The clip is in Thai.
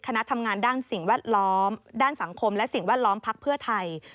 คณะทำงานด้านสิ่งแวดล้อมด้านสังคมและสิ่งแวดล้อมพักเพื่อไทย